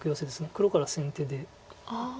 黒から先手で。